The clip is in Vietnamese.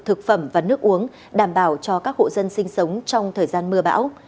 thực phẩm và nước uống đảm bảo cho các hộ dân sinh sống trong thời gian mưa bão